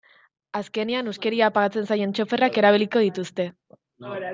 Azkenean, huskeria pagatzen zaien txoferrak erabiliko dituzte.